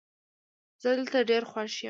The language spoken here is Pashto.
زه دلته ډېر خوښ یم